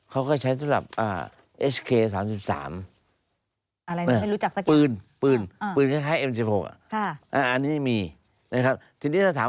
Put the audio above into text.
เขาก็ใช้สำหรับ